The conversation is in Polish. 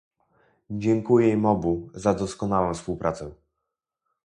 Dziękuję im obu za doskonałą współpracę